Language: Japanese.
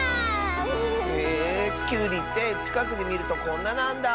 へえきゅうりってちかくでみるとこんななんだ。